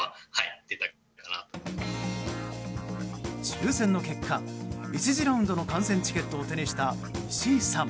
抽選の結果、１次ラウンドの観戦チケットを手にした石井さん。